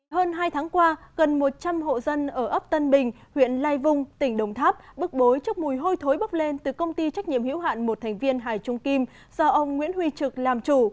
hơn hai tháng qua gần một trăm linh hộ dân ở ấp tân bình huyện lai vung tỉnh đồng tháp bức bối chốc mùi hôi thối bốc lên từ công ty trách nhiệm hữu hạn một thành viên hải trung kim do ông nguyễn huy trực làm chủ